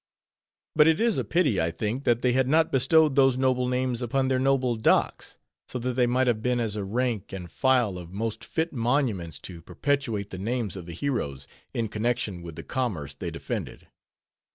But it is a pity, I think, that they had not bestowed these noble names upon their noble docks; so that they might have been as a rank and file of most fit monuments to perpetuate the names of the heroes, in connection with the commerce they defended.